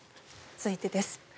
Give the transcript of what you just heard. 続いてです。